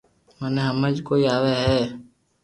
مني ھمج ڪوئي آوي ھي